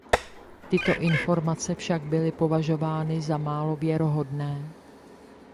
Tyto informace však byly považovány za málo věrohodné.